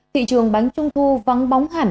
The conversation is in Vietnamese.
thị trường bánh trung thu vắng bóng hẳn